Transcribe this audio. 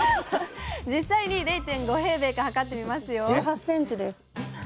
実際に０．５か測ってみますよ！